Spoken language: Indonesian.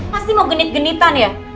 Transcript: pasti mau genit genitan ya